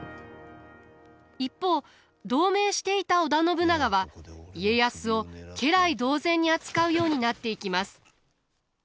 一方同盟していた織田信長は家康を家来同然に扱うようになっていきます。